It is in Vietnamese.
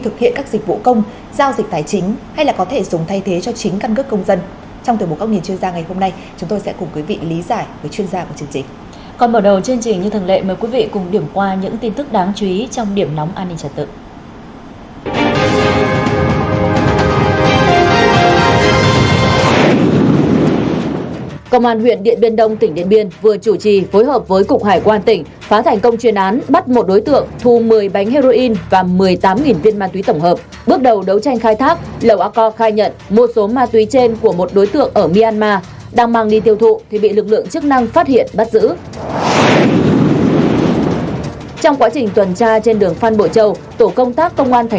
chúng tôi sẽ cùng quý vị lý giải với chuyên gia của chương trình